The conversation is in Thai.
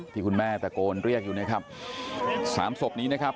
ที่คุณแม่ตะโกนเรียกอยู่นะครับสามศพนี้นะครับ